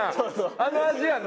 あの味やんな？